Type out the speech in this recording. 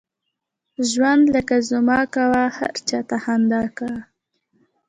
ژوند لکه زما کوه ، هر چاته خنده کوه!